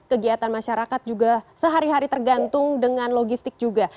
kegiatan masyarakat juga sehari hari tergantung dengan logistik juga